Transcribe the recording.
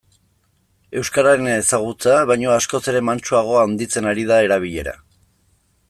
Euskararen ezagutza baino askoz ere mantsoago handitzen ari da erabilera.